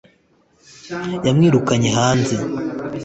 yamwirukanye hanze